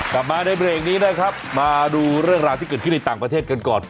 กลับมาในเบรกนี้นะครับมาดูเรื่องราวที่เกิดขึ้นในต่างประเทศกันก่อน